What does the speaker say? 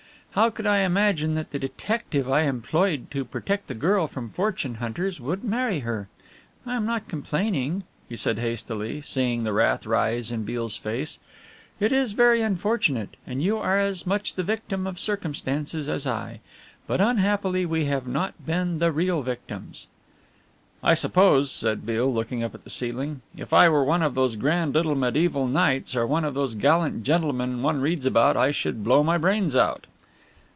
How could I imagine that the detective I employed to protect the girl from fortune hunters would marry her? I am not complaining," he said hastily, seeing the wrath rise in Beale's face, "it is very unfortunate, and you are as much the victim of circumstances as I. But unhappily we have not been the real victims." "I suppose," said Beale, looking up at the ceiling, "if I were one of those grand little mediæval knights or one of those gallant gentlemen one reads about I should blow my brains out."